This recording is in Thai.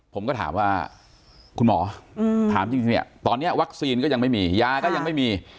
ผมก็ถามว่าคุณหมอถามจริงเนี่ยตอนนี้วัคซีนก็ยังไม่มียาก็ยังไม่มี